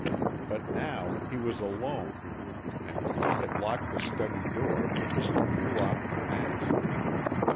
But now he was alone, and when he had locked the study door, he threw off the mask.